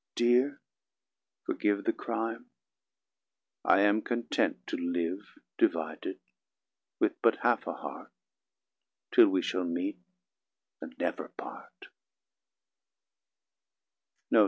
Dear (forgive The crime), I am content to live Divided, with but half a heart, Till we shall meet and never part.